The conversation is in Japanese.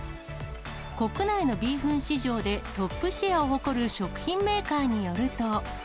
国内のビーフン市場でトップシェアを誇る食品メーカーによると。